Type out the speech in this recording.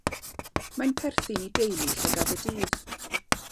Mae'n perthyn i deulu llygad y dydd.